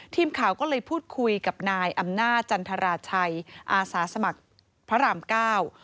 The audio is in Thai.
ทีมข่าวก็เลยพูดคุยกับนายอำนาจจันทราชัยอาสาสมัครพระรามเก้า